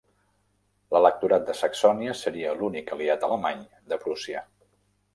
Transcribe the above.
L'electorat de Saxònia seria l'únic aliat alemany de Prússia.